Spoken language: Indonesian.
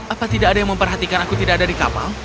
apa tidak ada yang memperhatikan aku tidak ada di kapal